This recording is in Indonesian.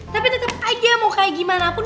tapi tetap aja mau kayak gimana pun